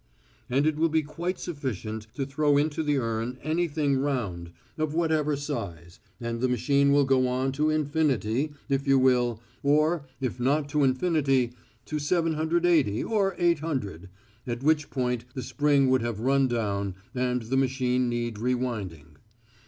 "And it will be quite sufficient to throw into the urn anything round, of whatever size, and the machine will go on to infinity, if you will, or, if not to infinity, to 780 or 800, at which point the spring would have run down and the machine need re winding.